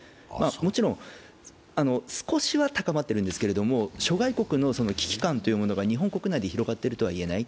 もちろん少しは高まってるんですけど諸外国の危機感が日本国内で広がっているとは言えない。